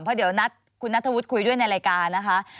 เพราะเดี๋ยวนัดคุณนัทธวุฒิคุยด้วยในรายการนะคะ